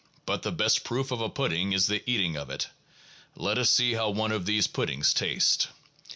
But the best proof of a pudding is the eating of it; let us see how one of these puddings tastes.